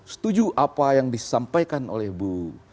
setuju apa yang disampaikan oleh bu